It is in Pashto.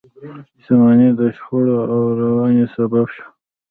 شتمنۍ د شخړو او ورانۍ سبب شوه.